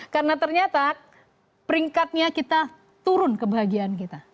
karena ternyata peringkatnya kita turun kebahagiaan kita